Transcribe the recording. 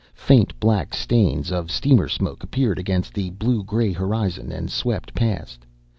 Faint black stains of steamer smoke appeared against the blue gray horizon and swept past.